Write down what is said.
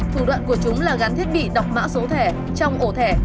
thủ đoạn của chúng là gắn thiết bị đọc mã số thẻ trong ổ thẻ